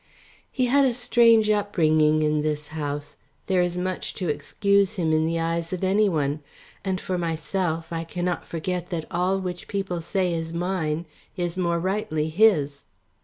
"He had a strange upbringing in this house. There is much to excuse him in the eyes of any one. And for myself I cannot forget that all which people say is mine, is more rightly his."